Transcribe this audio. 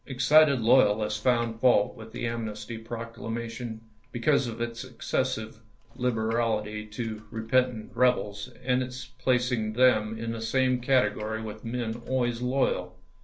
Excited loyalists found fault with the Amnesty Proclamation because of its excessive liberahty to repentant rebels, and its placing them in the same category with men always loyal.